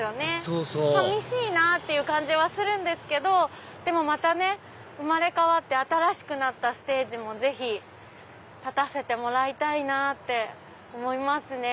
そうそう寂しいなぁっていう感じはするんですけどまた生まれ変わって新しくなったステージもぜひ立たせてもらいたいなぁって思いますね。